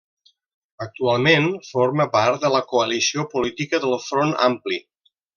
Actualment, forma part de la coalició política del Front Ampli.